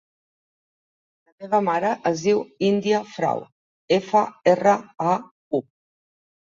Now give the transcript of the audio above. La meva mare es diu Índia Frau: efa, erra, a, u.